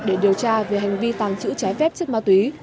để điều tra về hành vi tàng trữ trái phép chất ma túy